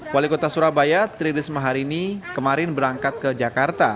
wali kota surabaya tri risma hari ini kemarin berangkat ke jakarta